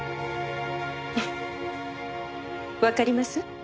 フッわかります？